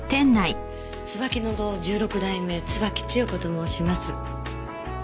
椿乃堂１６代目椿千代子と申します。